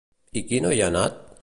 I qui no hi ha anat?